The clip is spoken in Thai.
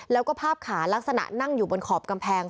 แล้วก็ภาพขาลักษณะนั่งอยู่บนขอบกำแพง